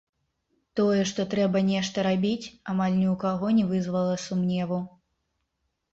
Тое, што трэба нешта рабіць, амаль ні у каго не вызвала сумневу.